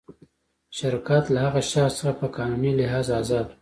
شرکت له هغه شخص څخه په قانوني لحاظ آزاد و.